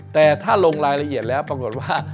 แต่ถ้าลงรายละเอียดแล้วปรากฏว่า